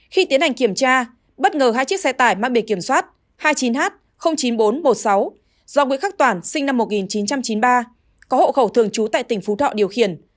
khi tiến hành kiểm tra bất ngờ hai chiếc xe tải mang bề kiểm soát hai mươi chín h chín nghìn bốn trăm một mươi sáu do nguyễn khắc toản sinh năm một nghìn chín trăm chín mươi ba có hộ khẩu thường trú tại tỉnh phú thọ điều khiển